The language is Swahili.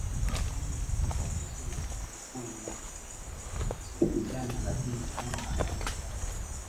mambo yatakuaje huo ulikuwa ni wakti sasa kuachia vijana lakini kama anaona bado